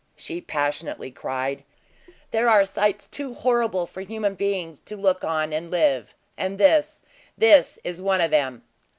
she passionately cried, "there are sights too horrible for human beings to look on and live, and this this is one of them!"